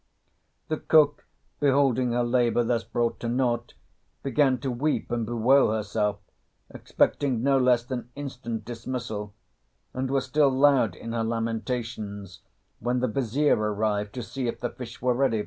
] The cook, beholding her labour thus brought to naught, began to weep and bewail herself, expecting no less than instant dismissal, and was still loud in her lamentations when the Vizier arrived to see if the fish were ready.